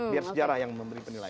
biar sejarah yang memberi penilaian